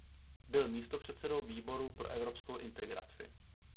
Byl místopředsedou Výboru pro evropskou integraci.